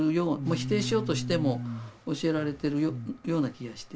否定しようとしても教えられてるような気がして。